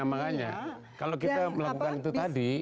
makanya kalau kita melakukan itu tadi